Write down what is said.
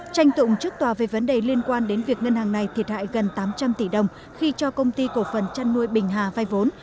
tranh tụng trước tòa về vấn đề liên quan đến việc ngân hàng này thiệt hại gần tám trăm linh tỷ đồng khi cho công ty cổ phần chăn nuôi bình hà vai vốn